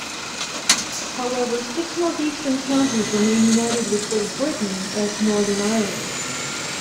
However, six north-eastern counties remained united with Great Britain as Northern Ireland.